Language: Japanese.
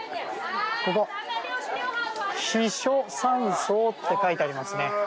ここ、避暑山荘と書いてありますね。